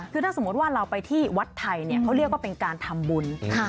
คือถ้าสมมุติว่าเราไปที่วัดไทยเขาเรียกว่าเป็นการทำบุญ